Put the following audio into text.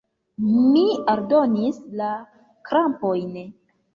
Mi aldonis la krampojn.